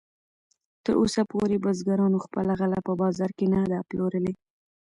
تراوسه پورې بزګرانو خپله غله په بازار کې نه ده پلورلې.